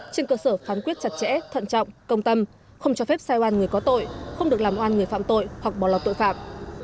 trên cơ sở phán quyết chặt chẽ thận trọng công tâm không cho phép sai oan người có tội không được làm oan người phạm tội hoặc bỏ lọc tội phạm